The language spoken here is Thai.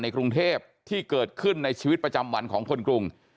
กรุงเทพที่เกิดขึ้นในชีวิตประจำวันของคนกรุง